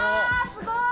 すごい！